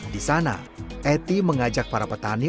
di sana eti mengajak para petani